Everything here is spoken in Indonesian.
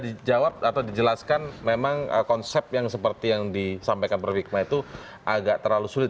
dijawab atau dijelaskan memang konsep yang seperti yang disampaikan prof hikmah itu agak terlalu sulit